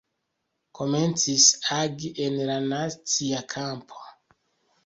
Komencis agi en la nacia kampo.